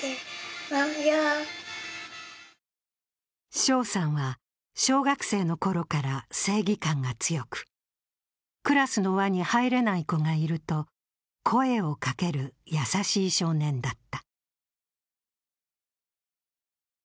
翔さんは小学生のころから正義感が強くクラスの輪に入れない子がいると声をかける優しい少年だった。